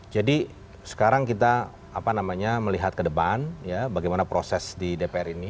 jadi sekarang kita melihat ke depan bagaimana proses di dpr ini